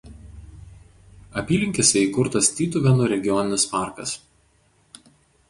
Apylinkėse įkurtas Tytuvėnų regioninis parkas.